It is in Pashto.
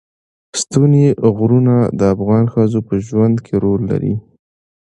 ستوني غرونه د افغان ښځو په ژوند کې رول لري.